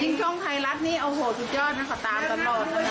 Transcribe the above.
ยิ่งช่องไทรัฐนี้โอ้โหสุดยอดนะข่าวตามตลอด